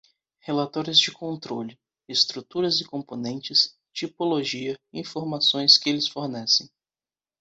Relatórios de controle: estrutura e componentes, tipologia, informações que eles fornecem.